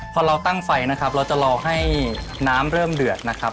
พอเราตั้งไฟนะครับเราจะรอให้น้ำเริ่มเดือดนะครับ